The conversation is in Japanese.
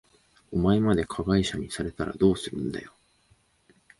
お前まで加害者にされたらどうするんだよ。